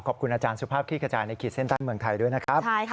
ขอบคุณอาจารย์สุภาพคลี่ขจายในขีดเส้นใต้เมืองไทยด้วยนะครับ